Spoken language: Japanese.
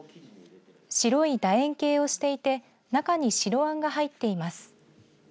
白いだ円形をしていて中に白あんが入っています。